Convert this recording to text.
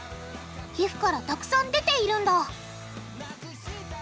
皮膚からたくさん出ているんだ